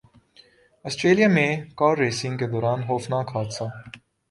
Australia میں car racing کے دوران خوفناک حادثہ